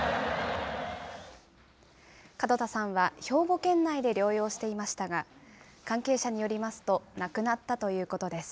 門田さんは兵庫県内で療養していましたが、関係者によりますと、亡くなったということです。